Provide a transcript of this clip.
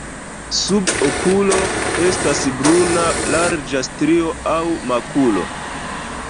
Sub okulo estas bruna larĝa strio aŭ makulo.